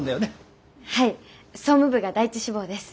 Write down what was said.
はい総務部が第１志望です。